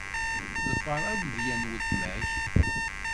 Ḍfeṛ amedya n weltma-k.